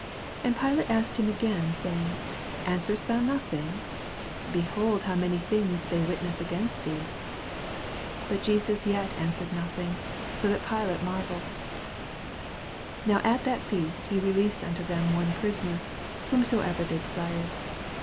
4 And Pilate asked him again, saying, Answerest thou nothing 1 be hold now many things they witness against thee. '5 But Jesus yet answered nothing ; BO that PUate marvelled. 6 Now at that feast he released unto them one prisoner, whomsoever they desired.